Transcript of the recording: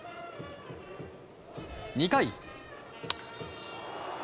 ２回。